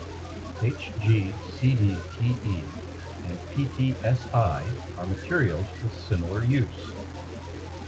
HgCdTe and PtSi are materials with similar use.